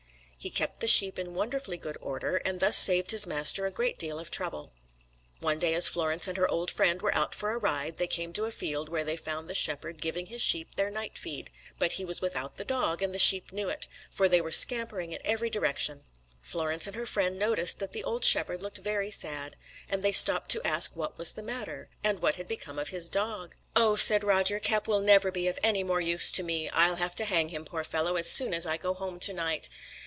He kept the sheep in wonderfully good order, and thus saved his master a great deal of trouble. One day as Florence and her old friend were out for a ride, they came to a field where they found the shepherd giving his sheep their night feed; but he was without the dog, and the sheep knew it, for they were scampering in every direction. Florence and her friend noticed that the old shepherd looked very sad, and they stopped to ask what was the matter, and what had become of his dog. "Oh," said Roger, "Cap will never be of any more use to me; I'll have to hang him, poor fellow, as soon as I go home to night."